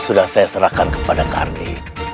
sudah saya serahkan kepada kak ardi